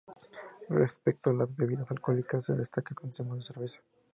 Respecto a las bebidas alcohólicas, se destaca el consumo de cerveza.